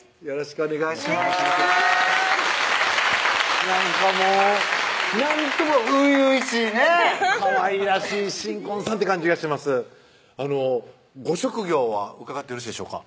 お願いしますなんかもうなんとも初々しいねかわいらしい新婚さんって感じがしますご職業は伺ってよろしいでしょうか？